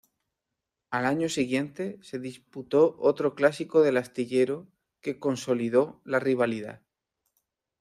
Al año siguiente se disputó otro Clásico del Astillero que consolidó la rivalidad.